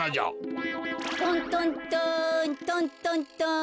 トントントントントントン。